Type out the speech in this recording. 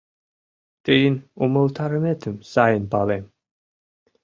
— Тыйын умылтарыметым сайын палем.